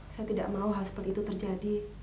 saya tidak mau hal seperti itu terjadi